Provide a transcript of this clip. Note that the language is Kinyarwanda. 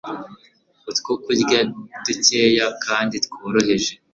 utwokurya dukeya kandi tworoheje,